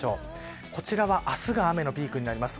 こちらは明日が雨のピークです。